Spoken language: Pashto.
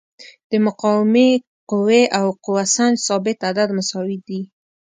د مقاومې قوې او قوه سنج ثابت عدد مساوي دي.